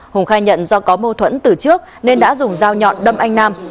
hùng khai nhận do có mâu thuẫn từ trước nên đã dùng dao nhọn đâm anh nam